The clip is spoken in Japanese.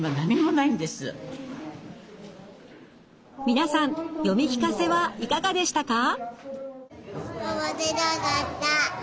皆さん読み聞かせはいかがでしたか？